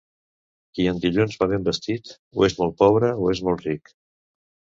Qui en dilluns va ben vestit o és molt pobre o és molt ric.